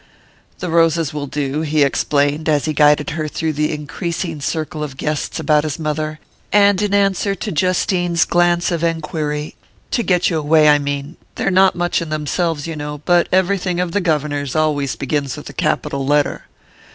"The roses will do," he explained, as he guided her through the increasing circle of guests about his mother; and in answer to Justine's glance of enquiry: "To get you away, I mean. They're not much in themselves, you know; but everything of the governor's always begins with a capital letter."